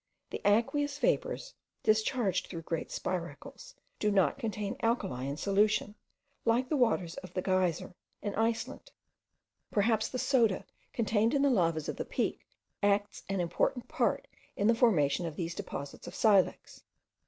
The aqueous vapours, discharged through great spiracles, do not contain alkali in solution, like the waters of the Geyser, in Iceland. Perhaps the soda contained in the lavas of the peak acts an important part in the formation of these deposits of silex.